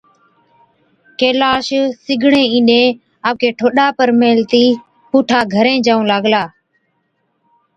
ڪيلاش سِگڙين اِينڏين آپڪي ٺوڏا پر ميهلتِي پُوٺا گھرين جائُون لاگلا۔